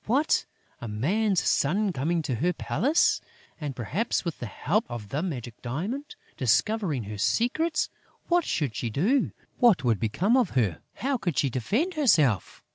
What! A man's son coming to her palace! And, perhaps, with the help of the magic diamond, discovering her secrets! What should she do? What would become of her? How could she defend herself?